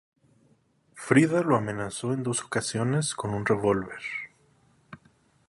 Frida lo amenazó en dos ocasiones con un revólver.